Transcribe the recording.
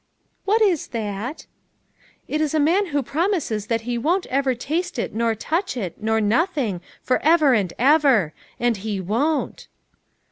"What is that?" " It is a man who promises that he won't ever taste it nor touch it, nor nothing, forever and ever. And he won't."